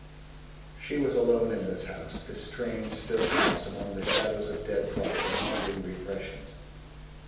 She was alone in this house, this strange still house, among the shadows of dead thoughts and haunting repressions.